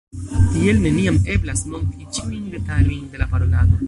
Tiel neniam eblas montri ĉiujn detalojn de la parolado.